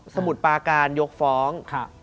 มุดปาการยกฟ้อง